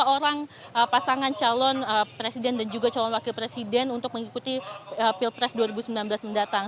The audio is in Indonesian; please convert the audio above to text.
tiga orang pasangan calon presiden dan juga calon wakil presiden untuk mengikuti pilpres dua ribu sembilan belas mendatang